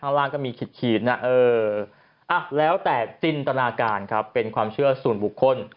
ข้างล่างก็มีขีดนะเออแล้วแต่จินตนาการครับเป็นความเชื่อส่วนบุคคล